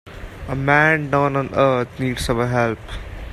A man down on earth needs our help.